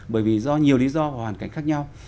bởi vì do nhiều lý do và hoàn cảnh khác nhau